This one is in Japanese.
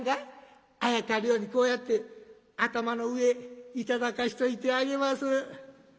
あやかるようにこうやって頭の上へ頂かしておいてあげます。